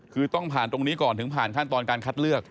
คือต้องผ่านตรงนี้ก่อนถึงผ่านขั้นตอนการคัดเลือก